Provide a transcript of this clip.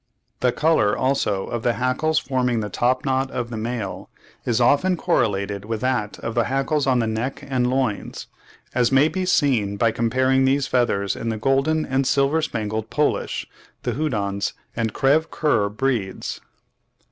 The colour also of the hackles forming the top knot of the male, is often correlated with that of the hackles on the neck and loins, as may be seen by comparing these feathers in the golden and silver spangled Polish, the Houdans, and Creve coeur breeds.